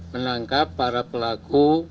menangkap para pelaku